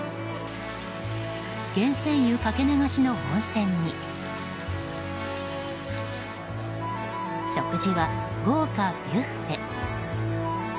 源泉湯かけ流しの温泉に食事は豪華ビュッフェ。